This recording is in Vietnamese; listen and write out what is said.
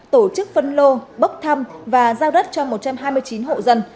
tổ chức phân lô bốc thăm và giao đất cho một trăm hai mươi chín hộ dân